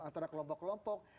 antara kelompok kelompok